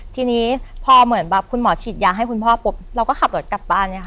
ทีนี้พอเหมือนคุณหมอฉีดยาให้คุณพ่อเราก็ขับรถกลับบ้าน